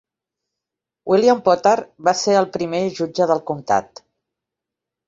William Potter va ser el primer jutge del comtat.